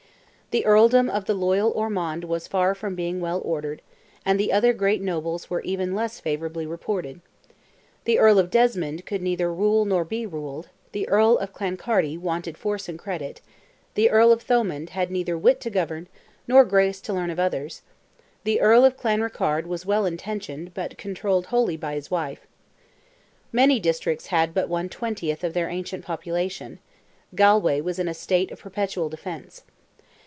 The earldom of the loyal Ormond was far from being well ordered; and the other great nobles were even less favourably reported; the Earl of Desmond could neither rule nor be ruled; the Earl of Clancarty "wanted force and credit;" the Earl of Thomond had neither wit to govern "nor grace to learn of others;" the Earl of Clanrickarde was well intentioned, but controlled wholly by his wife. Many districts had but "one twentieth" of their ancient population; Galway was in a state of perpetual defence.